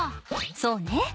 そうね。